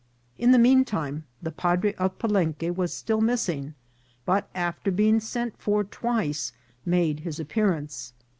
In the mean time the padre of Palenque was still missing, but, after being sent for twice, made his ap pearance.